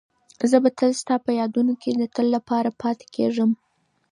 زه به تل ستا په یادونو کې د تل لپاره پاتې کېږم.